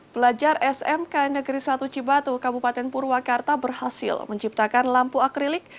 pelajar smkn negeri satu cibatu kabupaten purwakarta berhasil menciptakan lampu akrilik